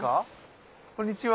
こんにちは。